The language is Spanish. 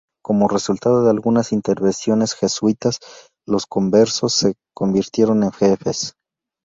Como resultado de algunas intervenciones jesuitas, los conversos se convirtieron en jefes.